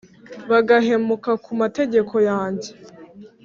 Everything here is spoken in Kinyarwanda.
bagahemuka ku mategeko yanjye.